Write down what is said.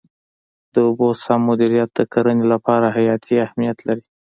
د اوبو سم مدیریت د کرنې لپاره حیاتي اهمیت لري.